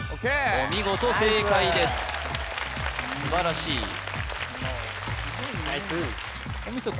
お見事正解です素晴らしいナイス大道さん